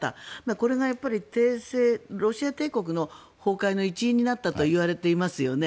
これがやっぱり帝政ロシアロシア帝国の崩壊の一因になったともいわれていますよね。